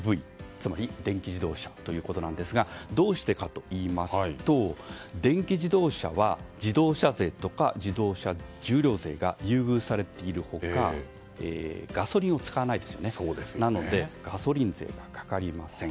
つまり電気自動車なんですがどうしてかといいますと電気自動車は自動車税とか自動車重量税が優遇されている他ガソリンを使わないのでガソリン税がかかりません。